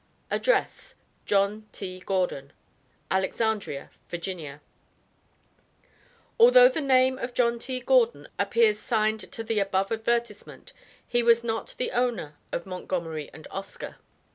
Address: JOHN T. GORDON, Alexandria, Va. Although the name of John T. Gordon appears signed to the above advertisement, he was not the owner of Montgomery and Oscar.